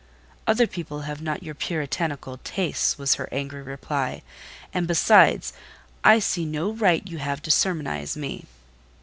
"Other people have not your puritanical tastes," was her angry reply. "And, besides, I see no right you have to sermonize me."